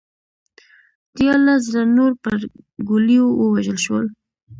دیارلس زره نور پر ګولیو ووژل شول